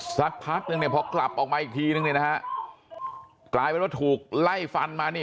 สักพักนึงเนี่ยพอกลับออกมาอีกทีนึงเนี่ยนะฮะกลายเป็นว่าถูกไล่ฟันมานี่